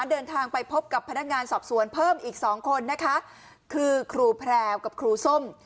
เดินทางไปพบกับพนักงานสอบสวนเพิ่มอีกสองคนนะคะคือครูแพรวกับครูส้ม